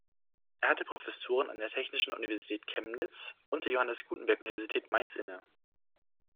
Er hatte Professuren an der Technischen Universität Chemnitz und der Johannes Gutenberg-Universität Mainz inne.